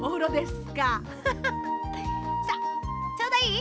さあちょうどいい？